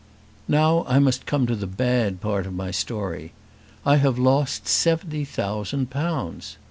Now I must come to the bad part of my story. I have lost seventy thousand pounds!